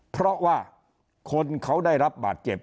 เพราะว่าคนเขาได้รับบาดเจ็บ